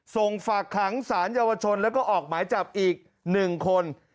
ส่งฝากขังสารเยาวชนแล้วก็ออกหมายจับอีก๑คน